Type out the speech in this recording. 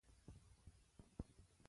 زردالو د خوږو لپاره کارېږي.